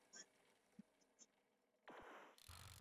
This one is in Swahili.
vifaa vya kutengeneza juisi